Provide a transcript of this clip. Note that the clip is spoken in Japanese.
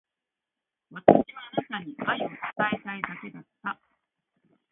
私はあなたに愛を伝えたいだけだった。